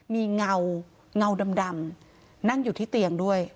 มีเงาเงาดำนั่งอยู่ที่เตียงด้วย